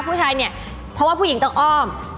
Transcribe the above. เพราะว่าผู้หญิงต้องอ้อม